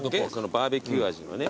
バーベキュー味のね。